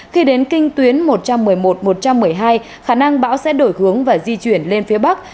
khi đến kinh tuyến một trăm một mươi một một trăm một mươi hai khả năng bão sẽ đổi hướng và di chuyển lên phía bắc